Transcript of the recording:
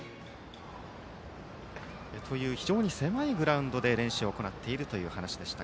非常に狭いグラウンドで練習を行っているという話でした。